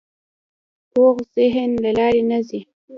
پوخ ذهن بې لارې نه ځي